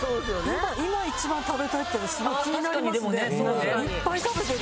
今一番食べたいっていうのすごい気になりますね。